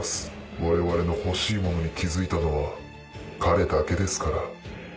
我々の欲しいものに気付いたのは彼だけですから。